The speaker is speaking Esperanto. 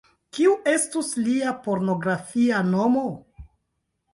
Kiu estus lia pornografia nomo?